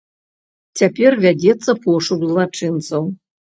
Цяпер вядзецца пошук злачынцаў.